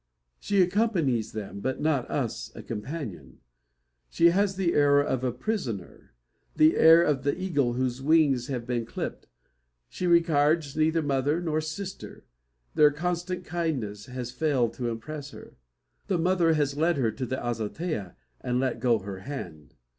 She accompanies them, but not us a companion. She has the air of a prisoner, the air of the eagle whose wings have been clipped. She regards neither mother nor sister. Their constant kindness has failed to impress her. The mother has led her to the azotea, and let go her hand.